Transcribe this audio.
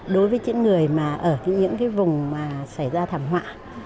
đối với những người mà ở những cái vùng mà xảy ra thảm họa